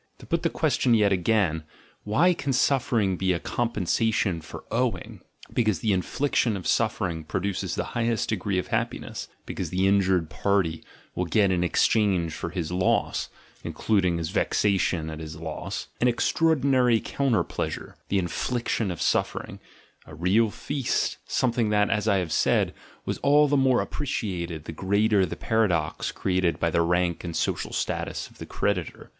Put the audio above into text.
To put the question yet again, why can suffer ing be a compensation for "owing"? — Because the inflic tion of suffering produces the highest degree of happi ness, because the injured party will get in exchange for his loss (including his vexation at his loss) an extraordi nary counter pleasure: the infliction of suffering — a real feast, something that, as I have said, was all the more appreciated the greater the paradox created by the rank and social status of the creditor.